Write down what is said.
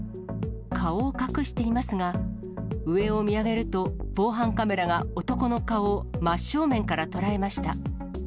顔を隠していますが、上を見上げると防犯カメラが男の顔を真っ正面から捉えました。